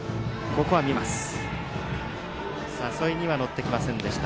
誘いには乗ってきませんでした。